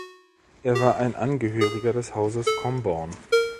Er war ein Angehöriger des Hauses Comborn.